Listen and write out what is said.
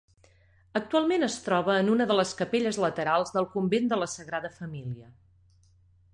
Actualment es troba en una de les capelles laterals del convent de la Sagrada Família.